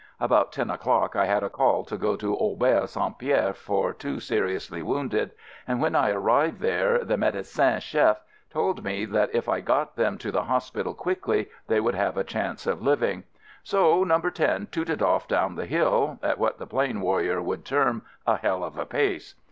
About ten o'clock I had a call to go to Auberge St. Pierre for two seriously wounded, and when I arrived there, the medecin chef told me that if I got them to the hospital quickly, they would have a chance of living. So "No. 10" tooted off down the hill — at what the plain warrior would term — "a hell of a pace."